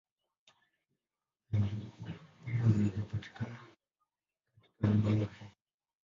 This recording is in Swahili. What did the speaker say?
Hii ni orodha ya nyimbo zinazopatikana katika albamu hii.